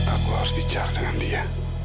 aku harus bijak dengan dia